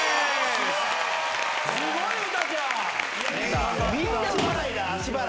すごい詩ちゃん！